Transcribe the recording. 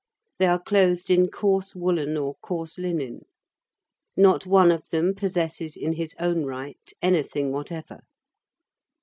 They are clothed in coarse woollen or coarse linen. Not one of them possesses in his own right anything whatever.